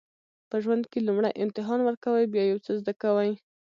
په ژوند کې لومړی امتحان ورکوئ بیا یو څه زده کوئ.